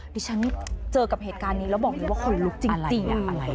ที่ฉันเจอกับเหตุการณ์นี้แล้วบอกเลยว่าขนลุกจริง